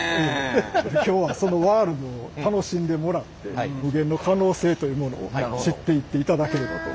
今日はそのワールドを楽しんでもらって無限の可能性というものを知っていっていただければと。